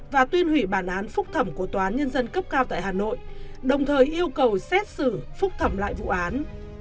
và tuyên hủy bản án phúc thẩm của tòa án nhân dân cấp cao tại hà nội đồng thời yêu cầu xét xử phúc thẩm lại vụ án